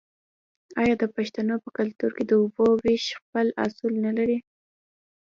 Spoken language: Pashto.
آیا د پښتنو په کلتور کې د اوبو ویش خپل اصول نلري؟